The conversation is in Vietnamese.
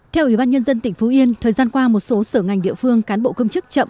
theo ủy ban nhân dân tỉnh phú yên thời gian qua một số sở ngành địa phương cán bộ công chức chậm